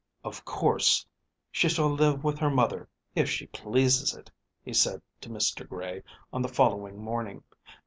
"Of course she shall live with her mother if she pleases it," he said to Mr. Gray on the following morning.